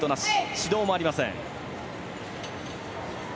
指導もありません。